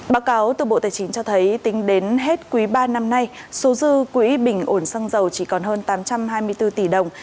báo cáo từ bộ tài chính cho thấy tính đến hết quý ba năm nay số dư quỹ bình ổn xăng dầu chỉ còn hơn tám trăm hai mươi bốn tỷ đồng